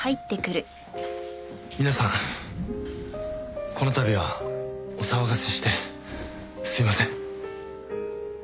皆さんこの度はお騒がせしてすいません。